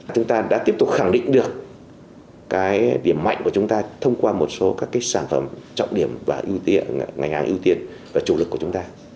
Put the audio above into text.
chúng ta đã tiếp tục khẳng định được cái điểm mạnh của chúng ta thông qua một số các sản phẩm trọng điểm và ngành hàng ưu tiên và chủ lực của chúng ta